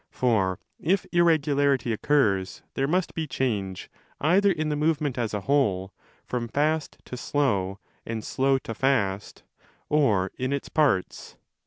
For if irregularity occurs, there must be change either in the movement as a whole, from fast to slow and slow to fast, or in its parts.